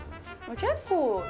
結構。